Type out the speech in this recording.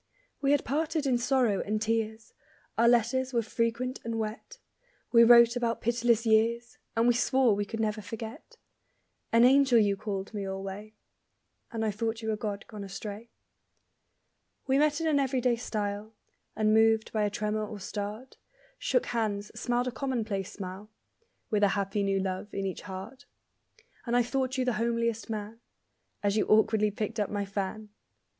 We had parted in sorrow and tears; Our letters were frequent and wet; We wrote about pitiless years, And we swore we could never forget. An angel you called me alway, And I thought you a god gone astray. We met in an everyday style; Unmoved by a tremor or start; Shook hands, smiled a commonplace smile; (With a happy new love in each heart), And I thought you the homeliest man As you awkwardly picked up my fan!